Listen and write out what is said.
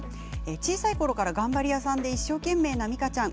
小さいころから頑張り屋さんで、一生懸命な光夏ちゃん。